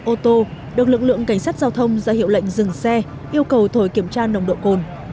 ô tô được lực lượng cảnh sát giao thông ra hiệu lệnh dừng xe yêu cầu thổi kiểm tra nồng độ cồn